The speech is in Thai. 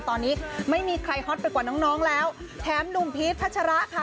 ตอนนี้ไม่มีใครฮอตไปกว่าน้องน้องแล้วแถมหนุ่มพีชพัชระค่ะ